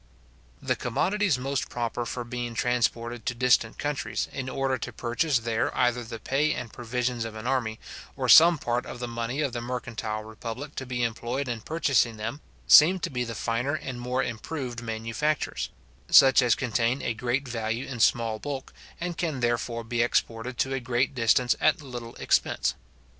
The commodities most proper for being transported to distant countries, in order to purchase there either the pay and provisions of an army, or some part of the money of the mercantile republic to be employed in purchasing them, seem to be the finer and more improved manufactures; such as contain a great value in a small bulk, and can therefore be exported to a great distance at little expense.